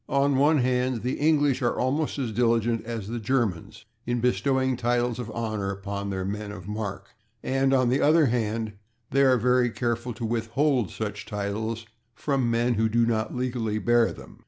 On the one hand the English are almost as diligent as the Germans in bestowing titles of honor upon their men of mark, and on the other hand they are very careful to withhold such titles from men who do not legally bear them.